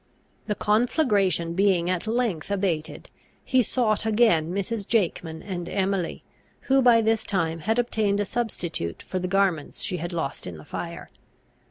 The conflagration being at length abated, he sought again Mrs. Jakeman and Emily, who by this time had obtained a substitute for the garments she had lost in the fire.